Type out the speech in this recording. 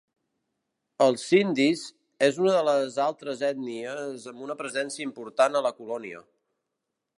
Els Sindhis és una de les altres ètnies amb una presència important a la colònia.